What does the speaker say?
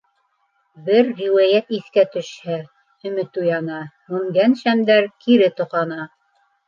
Бер риүәйәт иҫкә төшһә, өмөт уяна, һүнгән шәмдәр кире тоҡана.